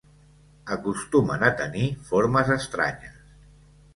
Acostumen a tenir formes estranyes.